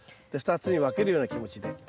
で２つに分けるような気持ちで。